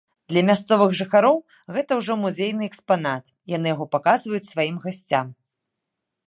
Для мясцовых жыхароў гэта ўжо музейны экспанат, яны яго паказваюць сваім гасцям.